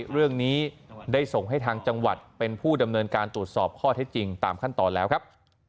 เรื่องนี้ได้ส่งให้ทางจังหวัดเป็นผู้ดำเนินการตรวจสอบข้อเท็จจริงตามขั้นตอนแล้วครับ